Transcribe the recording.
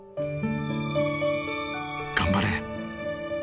「頑張れ！」